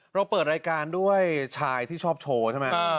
เราเปิดรายการด้วยชายที่ชอบโชว์ใช่ไหม